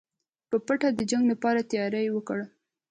په پټه د جنګ لپاره تیاری وکړئ.